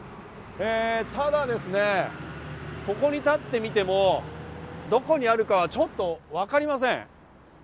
ただ、ここに立ってみてもどこにあるかはちょっとわかりません。